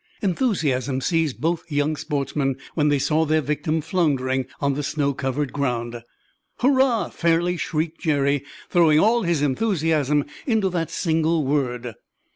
Enthusiasm seized both young sportsmen when they saw their victim floundering on the snow covered ground. "Hurrah!" fairly shrieked Jerry, throwing all his enthusiasm into that single word.